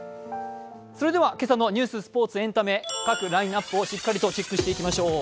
それでは今朝のニュース、スポーツ、エンタメ各ラインナップをチェックして参りましょう。